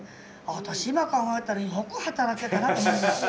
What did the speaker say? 私今考えたらよく働けたなと思います。